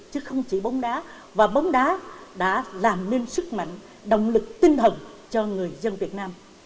chứ không chỉ bóng đá và bóng đá đã làm nên sức mạnh động lực tinh thần cho người dân việt nam